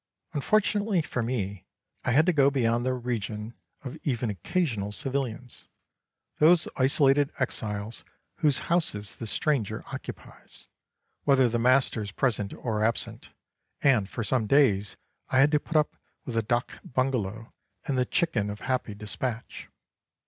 Unfortunately for me, I had to go beyond the region of even occasional civilians, those isolated exiles whose houses the stranger occupies, whether the master is present or absent, and for some days I had to put up with the Dâk Bungalow and the chicken of happy despatch.